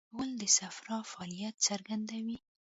غول د صفرا فعالیت څرګندوي.